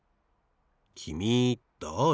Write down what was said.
きみだれ？